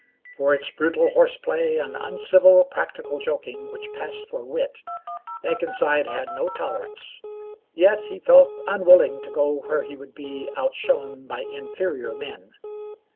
For its brutal horseplay and uncivil practical joking which passed for wit, Akenside had no tolerance, yet he felt unwilling to go where he would be outshone by inferior men.